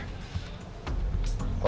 kenapa mau ketemu gue